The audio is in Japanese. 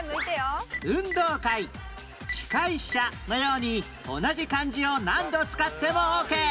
運動会司会者のように同じ漢字を何度使ってもオーケー